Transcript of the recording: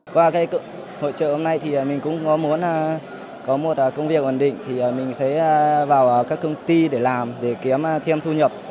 qua cái hội trợ hôm nay thì mình cũng có muốn có một công việc ổn định thì mình sẽ vào các công ty để làm để kiếm thêm thu nhập